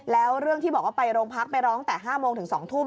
แล้วเรื่องที่บอกว่าไปโรงพักไปร้องแต่๕โมงถึง๒ทุ่ม